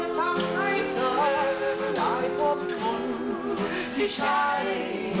จะวางเธอไว้ไงก็เจ็บอยู่ดี